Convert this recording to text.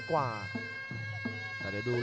ฮีวอร์เป็นฮีวอร์